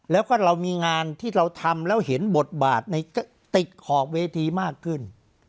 แล้วก็เรามีงานที่เราทำแล้วเห็นบทบาทในติดขอบเวทีมากขึ้น